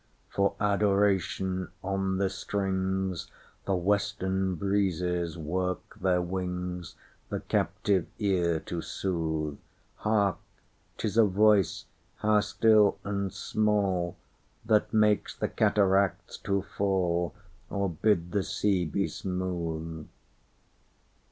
For Adoration, on the stringsThe western breezes work their wings, The captive ear to soothe—Hark!'tis a voice—how still, and small—That makes the cataracts to fall, Or bids the sea be smooth!